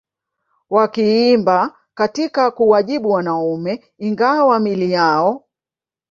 wakiimba katika kuwajibu wanaume Ingawa miili yao